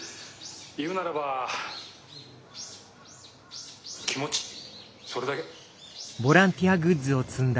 言うならば気持ちそれだけ。